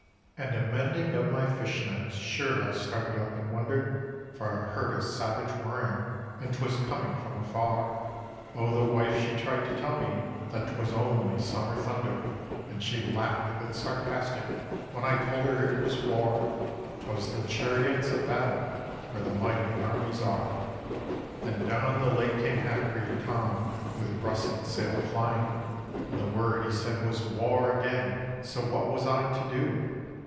And a mending of my fish nets sure I started up in wonder, For I heard a savage roaring and 'twas coming from afar; Oh the wife she tried to tell me that 'twas only summer thunder, And she laughed a bit sarcastic when I told her it was War; 'Twas the chariots of battle where the mighty armies are. Then down the lake came Half breed Tom with russet sail a flying, And the word he said was "War" again, so what was I to do?